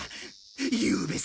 ゆうべさ